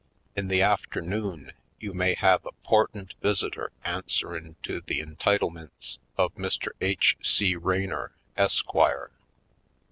In the afternoon you may have a 'portant visitor answerin' to the entitle mints of Mr. H. C. Raynor, Esquire.